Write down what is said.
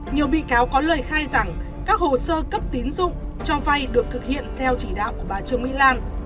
nhiều bị cáo có lời khai rằng các hồ sơ cấp tín dụng cho vay được thực hiện theo chỉ đạo của bà trương mỹ lan